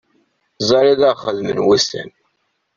Ẓer i d aɣ-xedmen wussan.